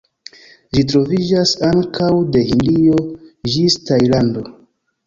Ĝi troviĝas ankaŭ de Hindio ĝis Tajlando.